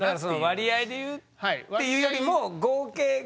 割合でいうっていうよりも合計が。